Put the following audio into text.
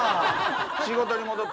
仕事に戻って。